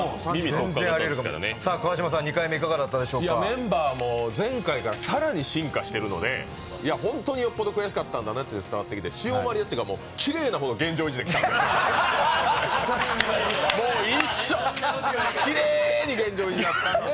メンバーも前回から更に進化しているので本当によっぽど悔しかったんだねというのが伝わってきて、きれいなほど現状維持で来たんで、もう一生懸命、きれーいに現状維持で。